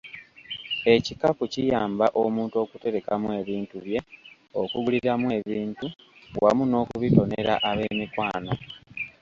Ekikapu kiyamba omuntu okuterekamu ebintu bye, okuguliramu ebintu wamu n'okubitonera ab'emikwano.